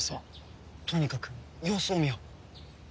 とにかく様子を見よう。